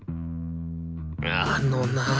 あのなぁ。